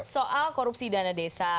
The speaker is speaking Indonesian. soal korupsi dana desa